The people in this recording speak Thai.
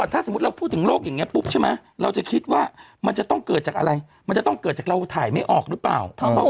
ท้องผูกอะไรอย่างนี้ใช่ไหมคะ